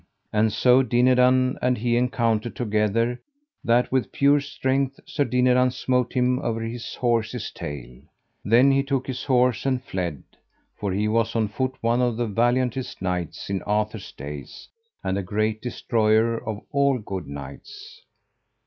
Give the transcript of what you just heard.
And so Dinadan and he encountered together, that with pure strength Sir Dinadan smote him over his horse's tail. Then he took his horse and fled, for he was on foot one of the valiantest knights in Arthur's days, and a great destroyer of all good knights.